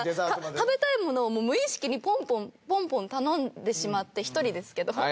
食べたいものを無意識にポンポンポンポン頼んでしまって１人ですけど。